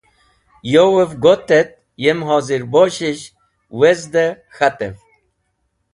Yowev got et yem hozirboshish wezdey k̃hatev.